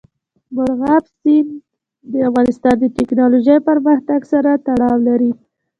مورغاب سیند د افغانستان د تکنالوژۍ پرمختګ سره تړاو لري.